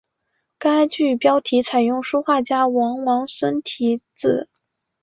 该剧标题采用书画家王王孙题字。